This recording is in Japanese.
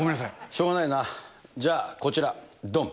しょうがないな、じゃあ、こちら、どん。